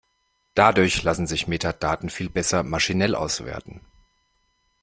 Dadurch lassen sich Metadaten viel besser maschinell auswerten.